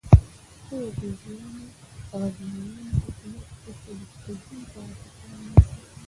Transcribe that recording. خو غزنویان حکومت د سبکتګین په واسطه رامنځته شو.